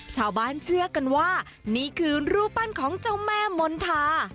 ชาวบ้านเชื่อกันว่านี่คือรูปปั้นของเจ้าแม่มณฑา